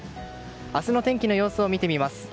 明日の天気の様子を見てみます。